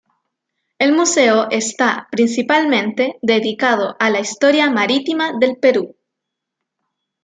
El museo está principalmente dedicado a la historia marítima del Perú.